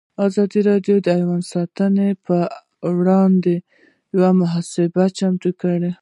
ازادي راډیو د حیوان ساتنه پر وړاندې یوه مباحثه چمتو کړې.